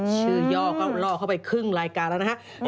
ชื่อย่อล่อเข้าไปครึ่งรายการแล้วนะครับ